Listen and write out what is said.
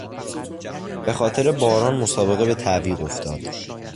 به خاطر باران مسابقه به تعویق افتاد.